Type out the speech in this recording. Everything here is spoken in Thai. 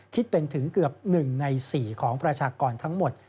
คิดเป็นถึงเกือบ๑ใน๔ของประชากรทั้งหมด